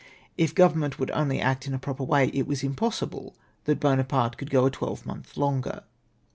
If Government would only act in a proper way, it was impossible that Buonaparte could go on a twelvemonth longer.